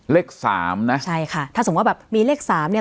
เลข๓นะใช่ค่ะถ้าสมมุติว่าแบบมีเลข๓เนี่ย